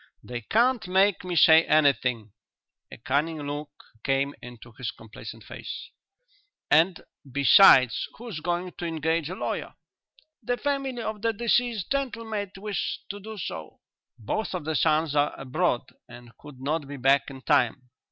"They can't make me say anything." A cunning look came into his complacent face. "And, besides, who's going to engage a lawyer?" "The family of the deceased gentleman might wish to do so." "Both of the sons are abroad and could not be back in time."